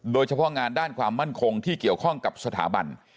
โดยเฉพาะงานด้านความมั่นคงที่เกี่ยวข้องกับสถาบัน